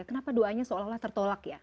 kenapa doanya seolah olah tertolak